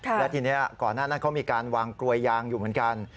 และทีนี้ก่อนหน้านั้นเขามีการวางกลวยยางอยู่เหมือนกัน